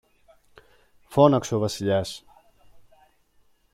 φώναξε ο Βασιλιάς.